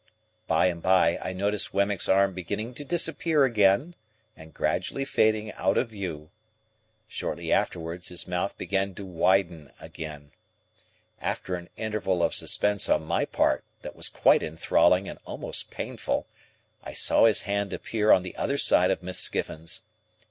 By and by, I noticed Wemmick's arm beginning to disappear again, and gradually fading out of view. Shortly afterwards, his mouth began to widen again. After an interval of suspense on my part that was quite enthralling and almost painful, I saw his hand appear on the other side of Miss Skiffins.